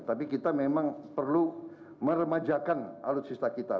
tapi kita memang perlu meremajakan alutsista kita